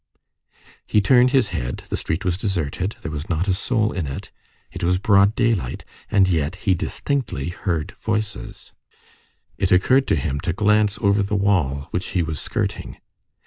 He turned his head, the street was deserted, there was not a soul in it, it was broad daylight, and yet he distinctly heard voices. It occurred to him to glance over the wall which he was skirting.